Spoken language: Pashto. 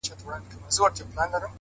د پښتنو ماحول دی دلته تهمتوته ډېر دي.